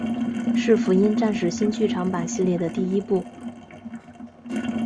是福音战士新剧场版系列的第一部。